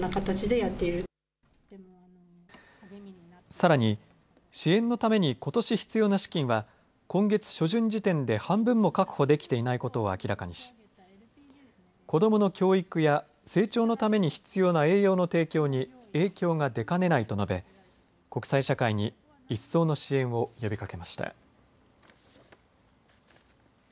さらに、支援のためにことし必要な資金は今月初旬時点で半分も確保できていないことを明らかにし子どもの教育や成長のために必要な栄養の提供に影響が出かねないと述べ国際社会に、一層の支援を呼びかけました。